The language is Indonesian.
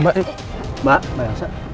kau bisa lihat